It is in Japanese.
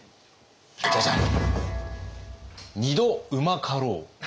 ジャジャン！